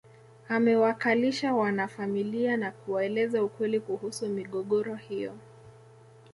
Amewakalisha wanafamilia na kuwaeleza ukweli kuhusu migogoro hiyo